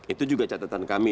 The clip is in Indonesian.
itu juga catatan kami